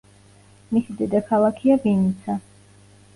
მისი დედაქალაქია ვინიცა.